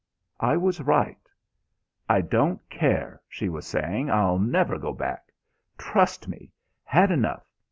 I was right. "I don't care," she was saying, "I'll never go back. Trust me. Had enough.